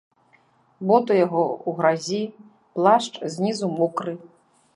Боты яго ў гразі, плашч знізу мокры.